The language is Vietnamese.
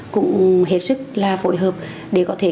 cũng hết sức là phối hợp để có thể